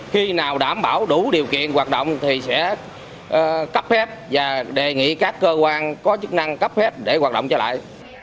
khi nào đảm bảo đủ điều kiện hoạt động thì sẽ cấp phép và đề nghị các cơ quan có chức năng cấp phép để hoạt động trở lại